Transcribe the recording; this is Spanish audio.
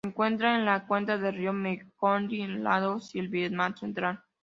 Se encuentra en la cuenca del río Mekong, Laos y el Vietnam central.